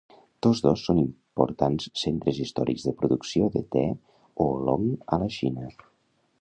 Tots dos són importants centres històrics de producció de te oolong a la Xina.